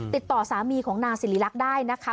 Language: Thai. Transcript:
ติดต่อสามีของนางสิริรักษ์ได้นะคะ